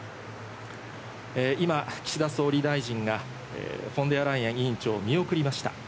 今、岸田総理大臣がフォン・デア・ライエン委員長を見送りました。